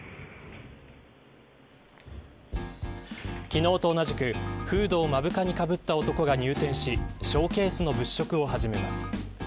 昨日と同じく、フードを目深にかぶった男が入店しショーケースの物色を始めます。